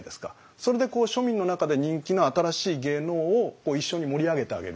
それで庶民の中で人気の新しい芸能を一緒に盛り上げてあげる。